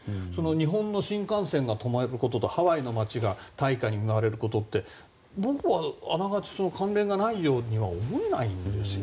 日本の新幹線が止まることとハワイの街が大火に見舞われるって僕は、あながち関連がないように思えないんですよね。